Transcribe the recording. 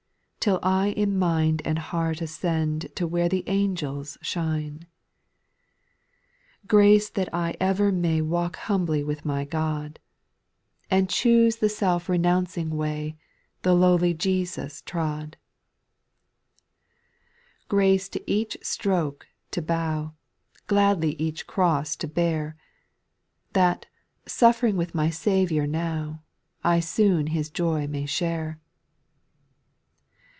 Till I in mind and heart ascend To where the angels shine. 4. Grace that I ever may Walk humbly with my God, SPIRITUAL SONGS. 217 And choose the self renouncdng way The lowly Jesus trod, j 5. ' Grace to each stroke to bow, Gladly each cross to bear, That, suffering with the Saviour now, I soon His joy may share.